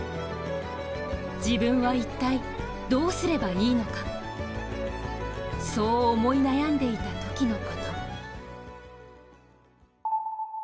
自分は一体どうすればいいのかそう思い悩んでいたときのこと。